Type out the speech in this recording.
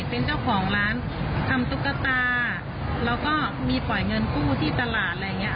เป็นเจ้าของร้านทำตุ๊กตาแล้วก็มีปล่อยเงินกู้ที่ตลาดอะไรอย่างเงี้